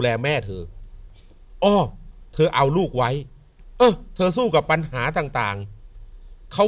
แม่เธออ้อเธอเอาลูกไว้เออเธอสู้กับปัญหาต่างเขา